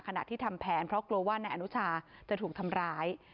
ขณะที่ทำแผนเพราะกลัวว่านายอนุชาจะถูกทำร้าย